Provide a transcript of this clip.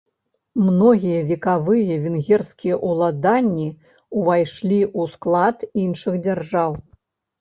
Многія векавыя венгерскія ўладанні ўвайшлі ў склад іншых дзяржаў.